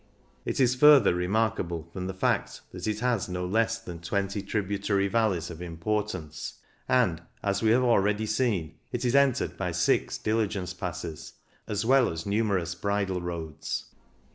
It is further re markable from the fact that it has no less than 20 tributary valleys of importance, and, as we have already seen, it is entered by six diligence passes, as well as numerous bridle roads.